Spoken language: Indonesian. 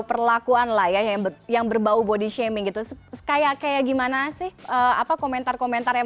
perlakuan lah ya yang berbau body shaming gitu kayak kayak gimana sih apa komentar komentar yang